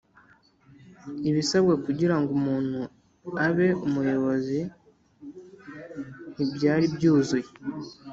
Ibisabwa kugira ngo umuntu abe umuyobozi ntibyaribyuzuye